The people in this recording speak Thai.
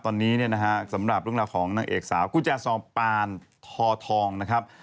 ตอนนี้เนี่ยนะฮะสำหรับเรื่องราวของนางเอกสาวกุญแจซองปานทอทองนะครับ